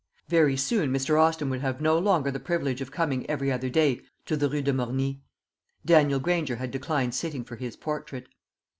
Very soon Mr. Austin would have no longer the privilege of coming every other day to the Rue de Morny. Daniel Granger had declined sitting for his portrait.